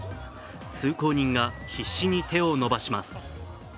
通行人が必死に手を伸ばします。